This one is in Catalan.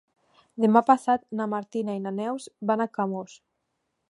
Demà passat na Martina i na Neus van a Camós.